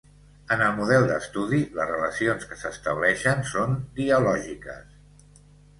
En el model d’estudi, les relacions que s’estableixen són dialògiques.